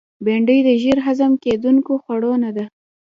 بېنډۍ د ژر هضم کېدونکو خوړو نه ده